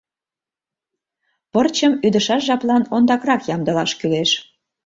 Пырчым ӱдышаш жаплан ондакрак ямдылаш кӱлеш.